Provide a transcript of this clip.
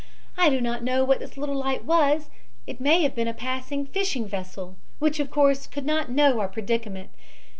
I do not know what this little light was. It may have been a passing fishing vessel, which, of course could not know our predicament.